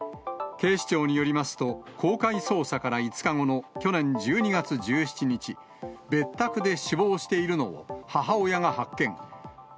警視庁によりますと、公開捜査から５日後の去年１２月１７日、別宅で死亡しているのを母親が発見。